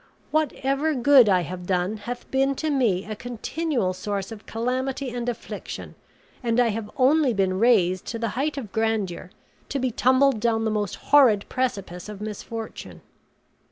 Whatever good I have done hath been to me a continual source of calamity and affliction; and I have only been raised to the height of grandeur, to be tumbled down the most horrid precipice of misfortune."